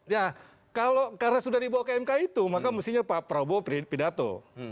ya karena sudah dibawa ke mk itu maka mestinya pak prabowo pidato